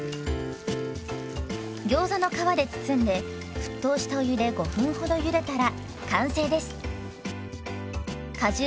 ギョーザの皮で包んで沸騰したお湯で５分ほどゆでたら完成です。